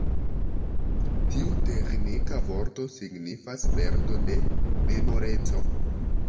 Tiu teĥnika vorto signifas: perdo de memoreco.